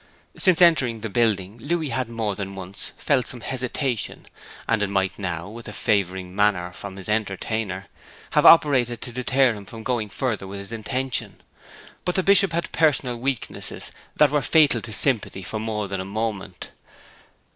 Since entering the building Louis had more than once felt some hesitation, and it might now, with a favouring manner from his entertainer, have operated to deter him from going further with his intention. But the Bishop had personal weaknesses that were fatal to sympathy for more than a moment.